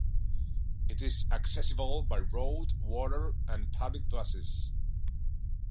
It is accessible by road, water, and public buses.